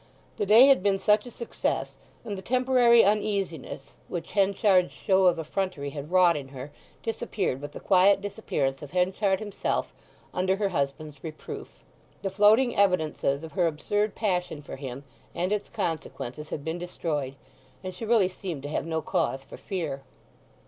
The day had been such a success, and the temporary uneasiness which Henchard's show of effrontery had wrought in her disappeared with the quiet disappearance of Henchard himself under her husband's reproof. The floating evidences of her absurd passion for him, and its consequences, had been destroyed, and she really seemed to have no cause for fear.